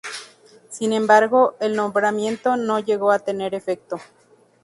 Sin embargo, el nombramiento no llegó a tener efecto.